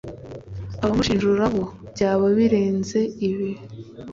abamushinjura bo byaba birenze ibi